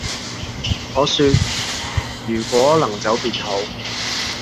我說......如果能走便好，